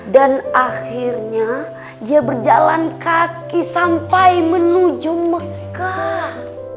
akhirnya dia berjalan kaki sampai menuju mekah